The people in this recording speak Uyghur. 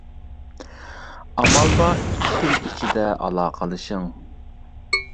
ئامال بار ئىككى كۈن ئىچىدە ئالاقىلىشىڭ.